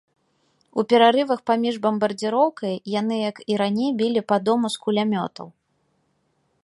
У перарывах паміж бамбардзіроўкай яны, як і раней, білі па дому з кулямётаў.